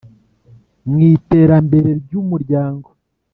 Mwi terambere ryu muryango